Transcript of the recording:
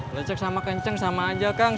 lecek sama kenceng sama aja kang